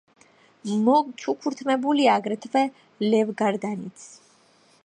მოჩუქურთმებულია აგრეთვე ლავგარდანიც.